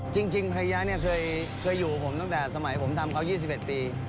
จริงภรรยาเนี่ยเคยอยู่ผมตั้งแต่สมัยผมทำเขา๒๑ปี